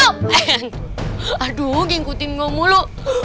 gak mau ngikutin gua mulu